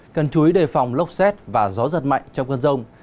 cần chú ý đề phòng lốc xét và gió giật mạnh trong cơn rông